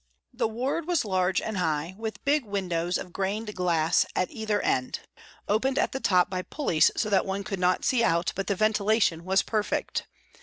The ward was large and high, with big windows of grained glass at either end, opened at the top by pulleys so that one could not see out, but the ventilation was perfect.